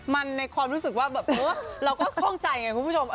มันในความรู้สึกว่าแบบเออเราก็คล่องใจไงคุณผู้ชม